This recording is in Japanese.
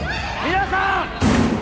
皆さん！